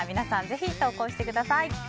ぜひ投稿してください。